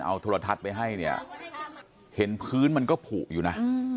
เอาโทรทัศน์ไปให้เนี่ยเห็นพื้นมันก็ผูกอยู่นะ